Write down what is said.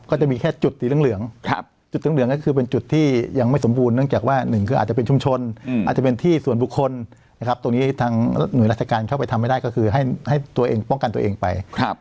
ก็จะมีแค่จุดสีเหลืองจุดเหลืองก็คือเป็นจุดที่ยังไม่สมบูรณ์เนื่องจากว่าหนึ่งคืออาจจะเป็นชุมชนอาจจะเป็นที่ส่วนบุคคลนะครับตรงนี้ทางหน่วยราชการเข้าไปทำไม่ได้ก็คือให้ตัวเองป้องกันตัวเองไป